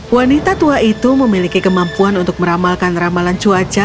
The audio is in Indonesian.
wanita tua itu memiliki kemampuan untuk meramalkan ramalan cuaca